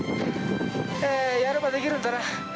「やればできるんだな